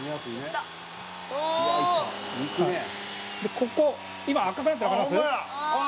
ここ今、赤くなってるのわかります？